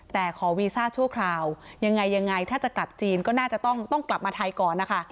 แต่ขอวีซ่าชั่วคราวยังไงยังไงถ้าจะกลับจีนก็น่าจะต้องกลับมาไทยก่อนนะคะ